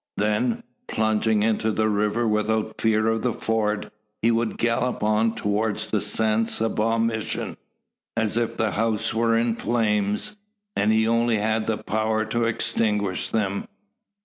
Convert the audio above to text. Then, plunging into the river without fear of the ford, he would gallop on towards the San Saba mission, as if the house were in names, and he only had the power to extinguish them.